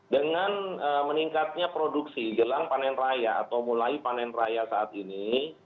dengan meningkatnya produksi jelang panen raya atau mulai panen raya saat ini